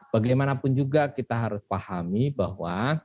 bagaimanapun juga kita harus pahami bahwa